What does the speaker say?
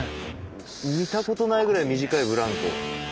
見たことないぐらい短いブランコ。